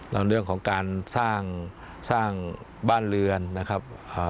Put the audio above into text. แล้วเรื่องของการสร้างสร้างบ้านเรือนนะครับ